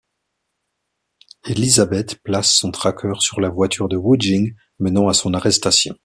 Elizabeth place son traqueur sur la voiture de Wujing, menant à son arrestation.